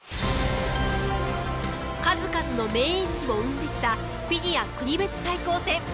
数々の名演技を生んできたフィギュア国別対抗戦。